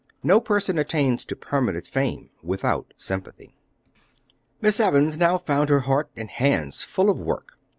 No person attains to permanent fame without sympathy. Miss Evans now found her heart and hands full of work.